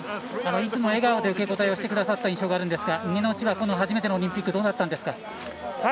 いつも笑顔で受け答えをしてくださった印象があるんですが初めてのオリンピックどうだったんですか？